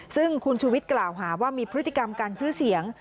ซึ่งคุณชูวิทย์กล่าวหาว่ามีพฤติกรรมการชื่อเสียง